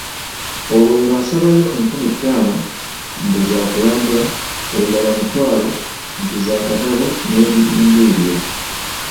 Olwo ng'asabayo enkumi ttaano, mbu za kulambula, olulala mutwalo, nti za katabo n'ebiringa ebyo.